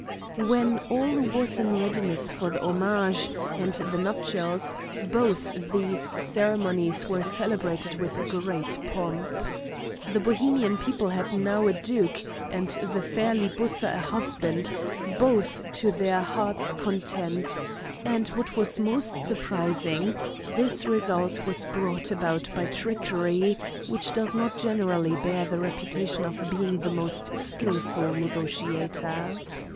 When all was in readiness for the homage, and the nuptials, both these ceremonies were celebrated with great pomp. The Bohemian people had now a duke, and the fair Libussa a husband, both to their heart's content, and what was most surprising this result was brought about by trickery, which does not generally bear the reputation of being the most skilful negotiator.